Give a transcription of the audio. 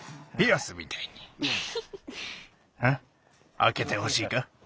あけてほしいか？